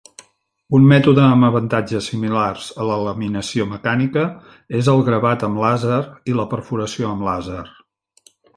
Un mètode amb avantatges similars a la laminació mecànica és el gravat amb làser i la perforació amb làser.